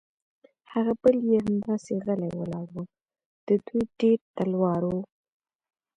هغه بل یې همداسې غلی ولاړ و، د دوی ډېر تلوار و.